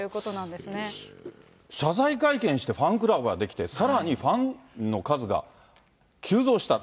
だから、謝罪会見してファンクラブが出来て、さらにファンの数が急増した。